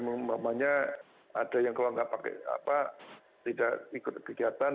umpamanya ada yang kalau nggak pakai apa tidak ikut kegiatan